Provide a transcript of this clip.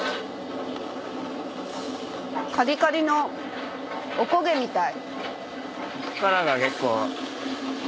カリカリのお焦げみたい。